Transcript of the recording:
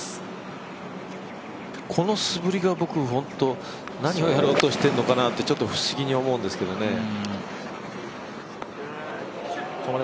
この素振りが本当何をやろうとしているのかなと不思議に思うんですけどね。